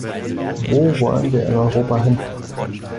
Wo wollen wir in Europa hin?